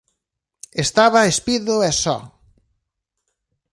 Estaba espido e só.